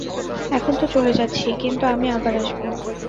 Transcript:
এখন তো চলে যাচ্ছি, কিন্তু আমি আবার আসবো।